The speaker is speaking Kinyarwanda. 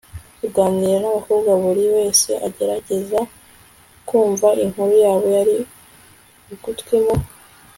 kuganira nabakobwa, buri wese agerageza kumva inkuru yabo, yari ugutwi. mu